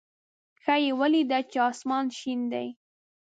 ښه یې ولېده چې اسمان شین دی.